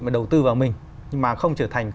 đúng không ạ